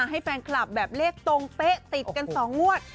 ให้แฟนคลับแบบเลขตรงเป๊ะติดกัน๒งวด